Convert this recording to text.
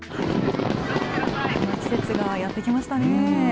この季節がやって来ましたね。